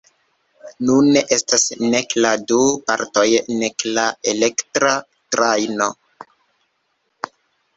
Nune estas nek la du partoj nek la elektra trajno.